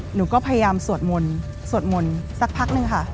หนูก็พยายามสวดมนต์สวดมนต์สักพักนึงค่ะ